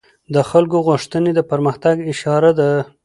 د خلکو غوښتنې د پرمختګ اشاره ده